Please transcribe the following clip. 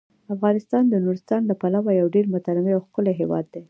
افغانستان د نورستان له پلوه یو ډیر متنوع او ښکلی هیواد دی.